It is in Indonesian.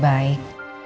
dia lagi baik